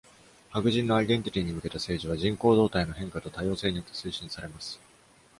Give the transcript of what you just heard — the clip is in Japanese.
白人のアイデンティティに向けた政治は、人口動態の変化と多様性によって推進されます。